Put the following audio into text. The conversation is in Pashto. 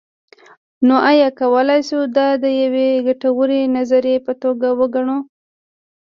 نو ایا کولی شو دا د یوې ګټورې نظریې په توګه وګڼو.